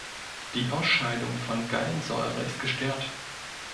Die Ausscheidung von Gallensäuren ist gestört.